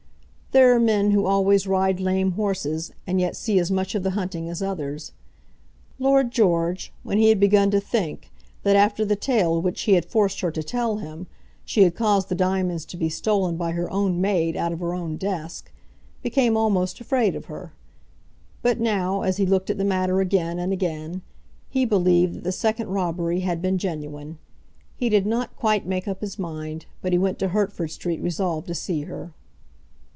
There are men who always ride lame horses, and yet see as much of the hunting as others. Lord George, when he had begun to think that, after the tale which he had forced her to tell him, she had caused the diamonds to be stolen by her own maid out of her own desk, became almost afraid of her. But now, as he looked at the matter again and again, he believed that the second robbery had been genuine. He did not quite make up his mind, but he went to Hertford Street resolved to see her.